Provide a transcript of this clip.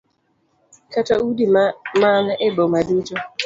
Kata udi man e boma duto.